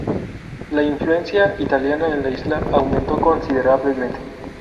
La influencia italiana en la isla aumentó considerablemente.